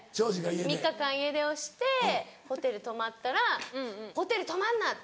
３日間家出をしてホテル泊まったら「ホテル泊まんな！